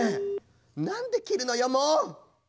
なんできるのよもう！